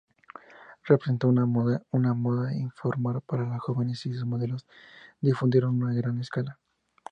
Representó una moda informal para jóvenes y sus modelos se difundieron a gran escala.